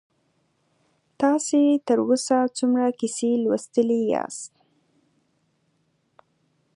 تاسې تر اوسه څومره کیسې لوستي یاست؟